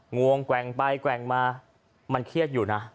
งวงแกว่งไปแกว่งมามันเครียดอยู่นะ